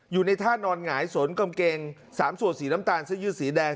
อยู่ในท่านอนหงายสนกางเกง๓ส่วนสีน้ำตาลเสื้อยืดสีแดง